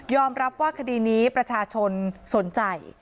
ยอมรับขดีนี้ประชาชนสนใจ